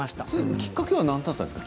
きっかけは何だったんですが？